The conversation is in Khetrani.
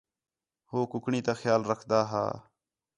ہو کُکڑیں تا خیال رکھدا ہا